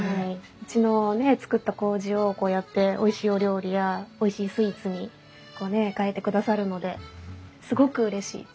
うちの造ったこうじをこうやっておいしいお料理やおいしいスイーツに変えてくださるのですごくうれしいです。